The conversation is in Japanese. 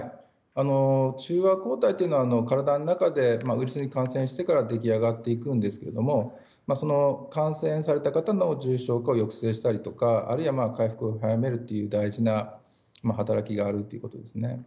中和抗体というのは体の中でウイルスに感染してから出来上がっていくんですが感染された方の重症化を抑制したりとかあるいは、回復を早めるという大事な働きがあるんですね。